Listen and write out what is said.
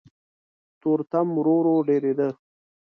تورتم ورو ورو ډېرېده.